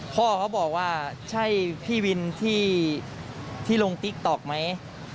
พ่อเขาบอกว่าใช่พี่วินที่ลงติ๊กต๊อกไหม